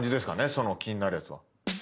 気になるやつは。